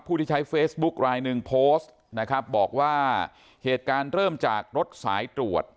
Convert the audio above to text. ที่ใช้เฟซบุ๊คลายหนึ่งโพสต์นะครับบอกว่าเหตุการณ์เริ่มจากรถสายตรวจ